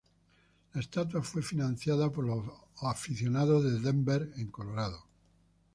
La estatua fue financiada por los aficionados de Denver en Colorado.